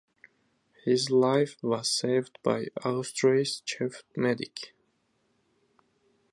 His life was saved by Austria's chief medic.